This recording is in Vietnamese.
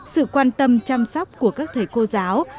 sự quan tâm chăm sóc của các thầy cô giáo